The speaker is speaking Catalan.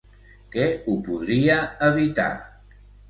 Què ho podria evitar?